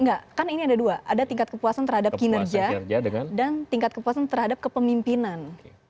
enggak kan ini ada dua ada tingkat kepuasan terhadap kinerja dan tingkat kepuasan terhadap kepemimpinan